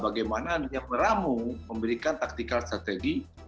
bagaimana dia meramu memberikan taktikal strategi ke depan ini